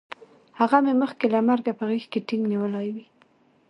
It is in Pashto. هغه مې مخکې له مرګه په غېږ کې ټینګ نیولی وی